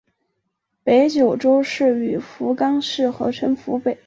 北九州市与福冈市合称为福北。